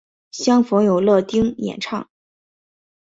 相逢有乐町演唱。